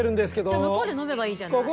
じゃあ向こうで飲めばいいじゃない。